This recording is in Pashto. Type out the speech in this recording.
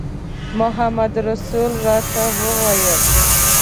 محمدرسول راته وویل.